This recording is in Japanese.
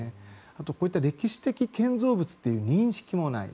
あとこういった歴史的建造物という認識もない。